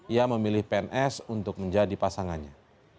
ia memilih pns untuk menjadi pasangannya